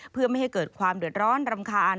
เพื่อไม่ให้เกิดความเดือดร้อนรำคาญ